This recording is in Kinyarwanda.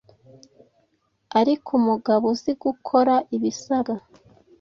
ariko umugabo uzi gukora ibisabwa